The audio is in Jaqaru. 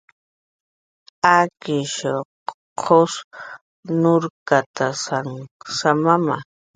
Akishrw qus munkatanh samama